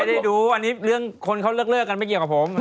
ได้ดูอันนี้เรื่องคนเขาเลิกกันไม่เกี่ยวกับผม